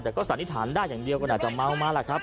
แต่ก็สันนิษฐานได้อย่างเดียวก็น่าจะเมามาแหละครับ